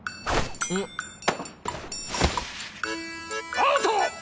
アウト！